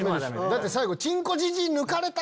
だって最後。